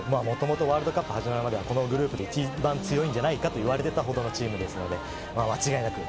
間違いなく、もともとワールドカップが始まるまでは、このグループで一番強いんじゃないかと言われていたチームです。